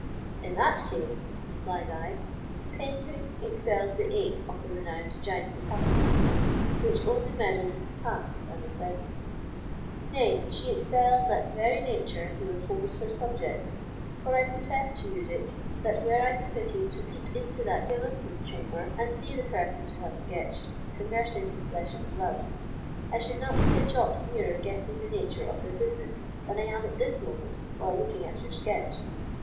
"In that case," replied I, "Painting excels the ape of the renowned Gines de Passamonte, which only meddled with the past and the present; nay, she excels that very Nature who affords her subject; for I protest to you, Dick, that were I permitted to peep into that Elizabeth chamber, and see the persons you have sketched conversing in flesh and blood, I should not be a jot nearer guessing the nature of their business than I am at this moment while looking at your sketch.